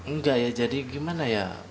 enggak ya jadi gimana ya